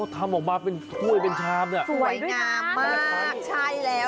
ทำออกมาเป็นถ้วยเป็นชามเนี่ยสวยด้วยนะสวยมากใช่แล้ว